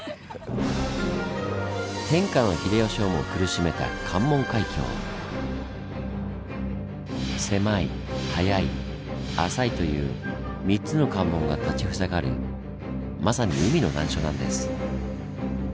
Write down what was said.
天下の秀吉をも苦しめた関門海峡。という３つの関門が立ち塞がるまさに海の難所なんです。